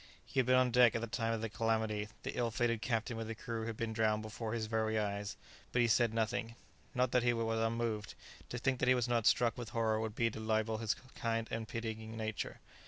He had been on deck at the time of the calamity; the ill fated captain with the crew had been drowned before his very eyes; but he said nothing; not that he was unmoved; to think that he was not struck with horror would be to libel his kind and pitying nature.